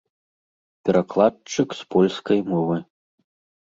Перакладчык з польскай мовы.